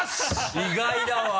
意外だわ。